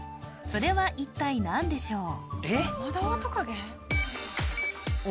それは一体何でしょう？